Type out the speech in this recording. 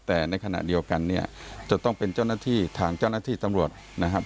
แต่ในขณะเดียวกันเนี่ยจะต้องเป็นเจ้าหน้าที่ทางเจ้าหน้าที่ตำรวจนะครับ